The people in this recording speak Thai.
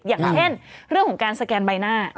อย่างเช่นเรื่องของการสแกนใบหน้า